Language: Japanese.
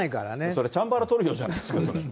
それチャンバラトリオじゃないですか。